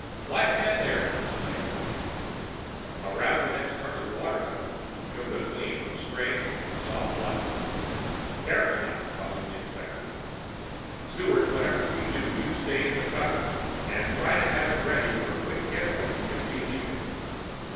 "Light ahead there!" he exclaimed. Around the next turn of the water tunnel showed a gleam of strange, soft light. "Careful, now!" cautioned the inspector. "Sturt, whatever we do, you stay in the cutter. And try to have it ready for a quick getaway, if we leave it."